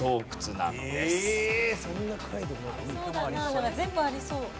なんか全部ありそう。